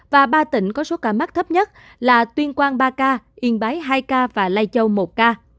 và ba tỉnh có số ca mắc thấp nhất là tuyên quang ba ca yên bái hai ca và lai châu một ca